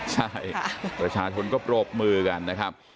ใช่ประชาชนก็ปรบมือกันนะครับ